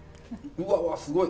うわうわすごい！